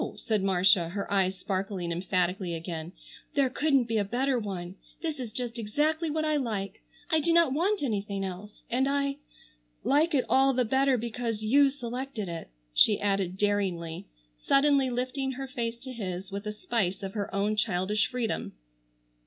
said Marcia, her eyes sparkling emphatically again. "There couldn't be a better one. This is just exactly what I like. I do not want anything else. And I—like it all the better because you selected it," she added daringly, suddenly lifting her face to his with a spice of her own childish freedom.